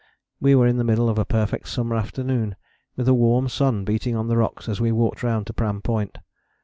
We were in the middle of a perfect summer afternoon, with a warm sun beating on the rocks as we walked round to Pram Point.